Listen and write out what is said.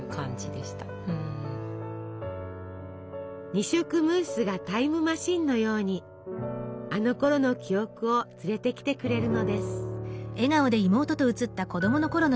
二色ムースがタイムマシンのようにあのころの記憶を連れてきてくれるのです。